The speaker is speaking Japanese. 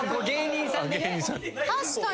芸人さん。